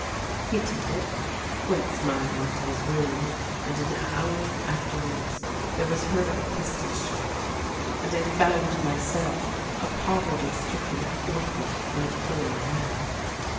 "He took it — went smiling to his room, and an hour afterwards there was heard a pistol shot, and I found myself a poverty stricken orphan in a foreign land.